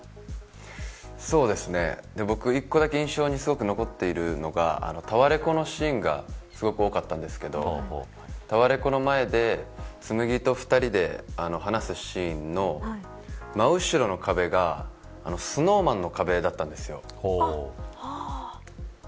僕、１個だけ印象に残ってるのがタワレコのシーンがすごく多かったんですけどタワレコの前で紬と２人で話すシーンの真後ろの壁がＳｎｏｗＭａｎの壁だったんですよ。